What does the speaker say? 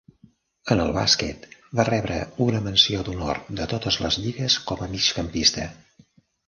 En el bàsquet, va rebre una menció d'honor de totes les lligues com a migcampista.